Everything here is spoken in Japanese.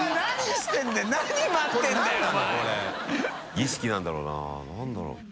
儀式なんだろうな何だろう？